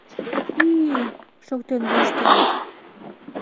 — Хи-хи-хи, — шоктен воштылыт